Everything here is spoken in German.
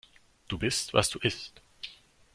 Du bist, was du isst.